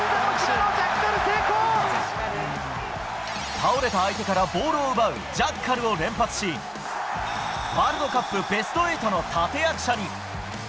倒れた相手からボールを奪うジャッカルを連発し、ワールドカップベスト８の立役者に。